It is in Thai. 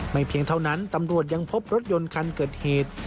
เพียงเท่านั้นตำรวจยังพบรถยนต์คันเกิดเหตุ